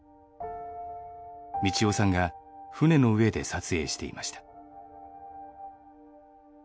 宝大さんが船の上で撮影していました。